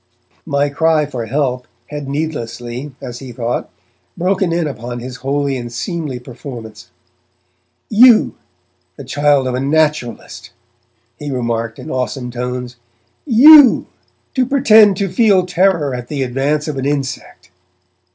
My cry for help had needlessly, as he thought, broken in upon this holy and seemly performance. 'You, the child of a naturalist,' he remarked in awesome tones, 'you to pretend to feel terror at the advance of an insect?'